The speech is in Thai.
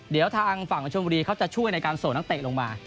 เดี๋ยวทางฝั่งของชมบุรีเขาจะช่วยในการส่งนักเตะลงมา